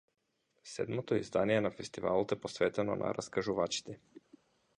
Седмото издание на фестивалот е посветено на раскажувачите.